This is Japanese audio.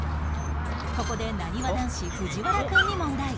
ここでなにわ男子藤原くんに問題